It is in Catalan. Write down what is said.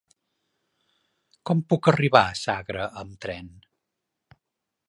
Com puc arribar a Sagra amb tren?